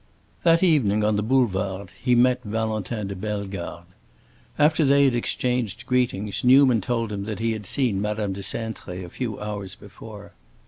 That evening, on the Boulevard, he met Valentin de Bellegarde. After they had exchanged greetings, Newman told him that he had seen Madame de Cintré a few hours before.